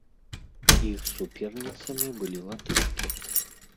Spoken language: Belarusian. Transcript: Іх суперніцамі былі латышкі.